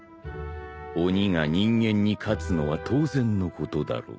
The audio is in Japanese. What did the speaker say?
鬼が人間に勝つのは当然のことだろう。